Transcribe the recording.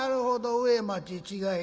上町違い